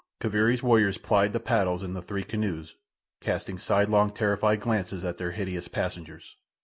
Kaviri's warriors plied the paddles in the three canoes, casting sidelong, terrified glances at their hideous passengers.